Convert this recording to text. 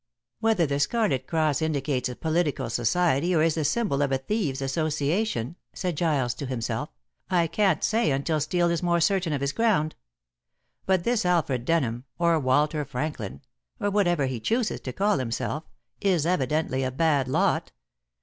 "Whether the Scarlet Cross indicates a political society or is the symbol of a thieves' association," said Giles to himself, "I can't say until Steel is more certain of his ground. But this Alfred Denham, or Walter Franklin, or whatever he chooses to call himself, is evidently a bad lot.